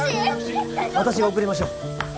私が送りましょう。